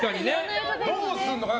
どうすんのかね